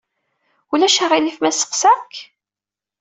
Ulac aɣilif ma sseqsaɣ-k?